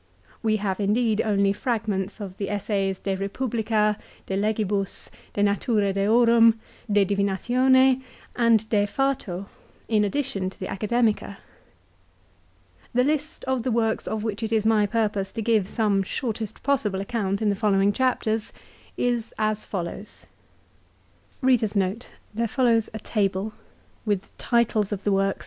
We have indeed only fragments of the essays, " De Eepublica," " De Legibus," " De Natura Deorum," " De Divinatione" and "De Fato," in addition to the " Academica." The list of the works of which it is my purpose to give some shortest possible account in the following chapters, is as follows : TITLES OF THE WORKS.